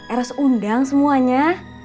eros undang semuanya